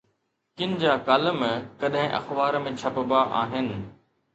ڪن جا ڪالم ڪڏهن اخبار ۾ ڇپبا آهن.